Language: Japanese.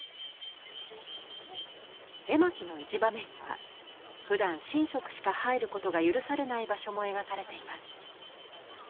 絵巻の一場面にはふだん神職しか入ることが許されない場所も描かれています。